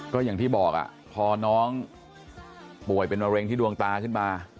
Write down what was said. ก็อย่างที่บอกพอน้องป่วยเป็นมะเร็งที่ดวงตาขึ้นมา